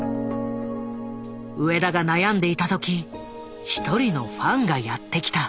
植田が悩んでいた時一人のファンがやって来た。